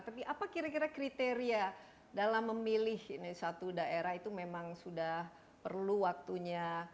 tapi apa kira kira kriteria dalam memilih satu daerah itu memang sudah perlu waktunya